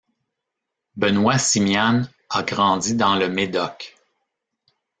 Benoit Simian a grandi dans le Médoc.